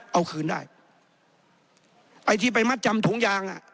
เอาคืนได้ไอ้ที่ไปมัดจำถุงยางอ่ะ